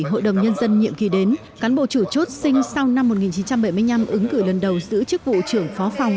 hội đồng nhân dân nhiệm kỳ đến cán bộ chủ chốt sinh sau năm một nghìn chín trăm bảy mươi năm ứng cử lần đầu giữ chức vụ trưởng phó phòng